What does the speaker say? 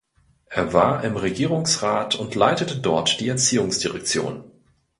Er war im Regierungsrat und leitete dort die Erziehungsdirektion.